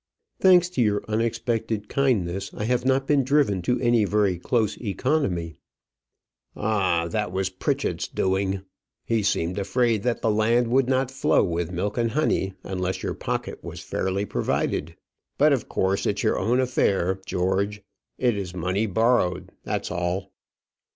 "Thanks to your unexpected kindness, I have not been driven to any very close economy." "Ah! that was Pritchett's doing. He seemed afraid that the land would not flow with milk and honey unless your pocket was fairly provided. But of course it's your own affair, George. It is money borrowed; that's all."